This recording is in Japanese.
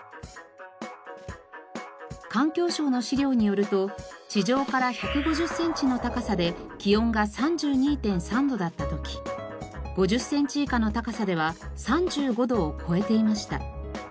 環境省の資料によると地上から１５０センチの高さで気温が３２．３度だった時５０センチ以下の高さでは３５度を超えていました。